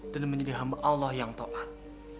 dan menjadi hamba allah yang taat